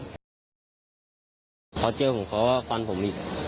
เขาเจอผมเขาว่าฟันผมอีก